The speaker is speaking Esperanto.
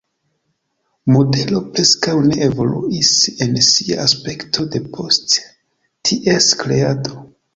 Modelo preskaŭ ne evoluis en sia aspekto depost ties kreado.